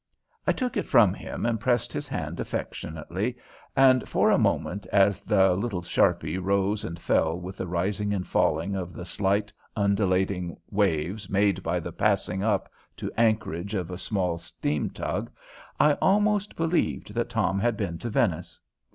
I took it from him and pressed his hand affectionately, and for a moment, as the little sharpie rose and fell with the rising and falling of the slight undulating waves made by the passing up to anchorage of a small steam tug, I almost believed that Tom had been to Venice.